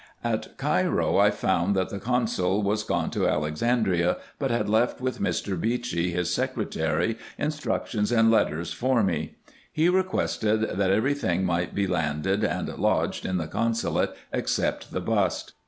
At Cairo I found that the consul was gone to Alexandria, but had left with Mr. Beechey, his secretary, instructions and letters for me. He requested, that every thing might be landed and lodged in the consulate except the bust.